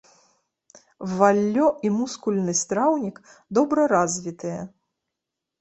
Валлё і мускульны страўнік добра развітыя.